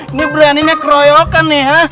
ini beraninya keroyokan nih